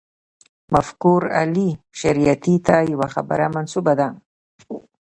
مفکر علي شریعیتي ته یوه خبره منسوبه ده.